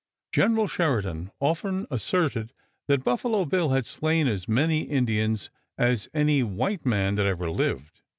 General Sheridan often asserted that Buffalo Bill had "slain as many Indians as any white man that ever lived."